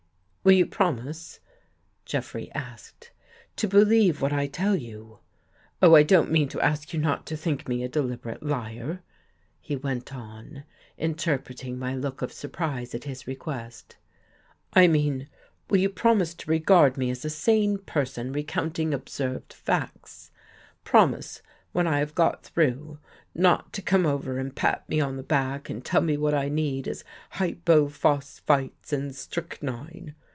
"Will you promise," Jeffrey asked, "to believe what I tell you? Oh, I don't mean to ask you not to think me a deliberate liar," he went on, inter preting my look of surprise at his request. " I mean, will you promise to regard me as a sane per 28 THE UNSEEN VISITOR son recounting observed facts ? Promise when I have got through, not to come over and pat me on the back and tell me what I need is hypophosphites and strychnine.